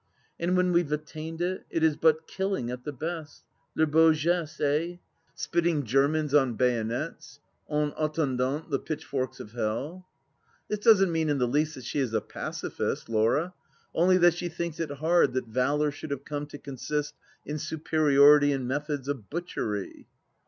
" And when we've attained it, it is but killing, at the best ? Le beau geste, eh ? Spitting Germans on bayonets, en attendant the pitchforks of Hell !" This doesn't mean in the least that she is a Pacifist, Laura, only that she thinks it hard that valour should have come to consist in superiority in methods of butchery.